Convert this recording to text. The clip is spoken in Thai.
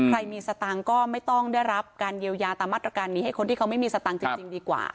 มีสตางค์ก็ไม่ต้องได้รับการเยียวยาตามมาตรการนี้ให้คนที่เขาไม่มีสตังค์จริงดีกว่า